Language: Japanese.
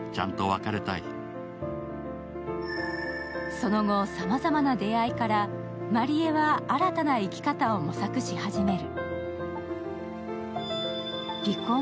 その後、さまざまな出会いからまりえは新たな行き方を模索し始める。